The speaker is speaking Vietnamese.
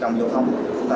trong hoạt động công nghiệp